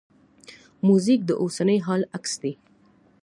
موزیک د اوسني حال عکس دی.